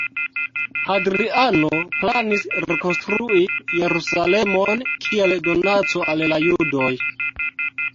Hadriano planis rekonstrui Jerusalemon kiel donaco al la Judoj.